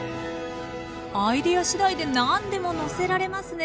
アイデア次第で何でものせられますね。